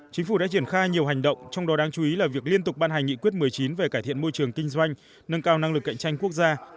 chính phủ đã triển khai nhiều hành động trong đó đáng chú ý là việc liên tục ban hành nghị quyết một mươi chín về cải thiện môi trường kinh doanh nâng cao năng lực cạnh tranh quốc gia